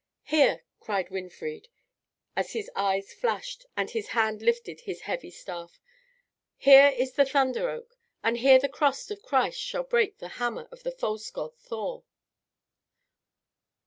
"Here," cried Winfried, as his eyes flashed and his hand lifted his heavy staff, "here is the Thunder oak; and here the cross of Christ shall break the hammer of the false god Thor."